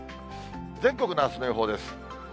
全国のあすの予報です。